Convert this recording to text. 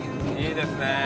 いいですね。